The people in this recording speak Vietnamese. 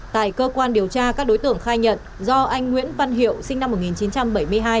tại cơ quan điều tra các đối tượng khai nhận do anh nguyễn văn hiệu sinh năm một nghìn chín trăm bảy mươi hai